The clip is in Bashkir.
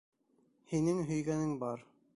Һинең һөйгәнең бар.